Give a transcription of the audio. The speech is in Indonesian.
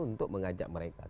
untuk mengajak mereka